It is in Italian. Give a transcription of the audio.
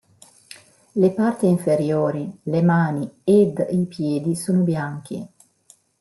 Le parti inferiori, le mani ed i piedi sono bianchi.